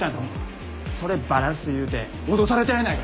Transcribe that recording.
それバラす言うて脅されたんやないかな。